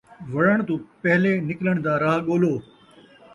وڑݨ توں پہلے نکلݨ دا راہ ڳولو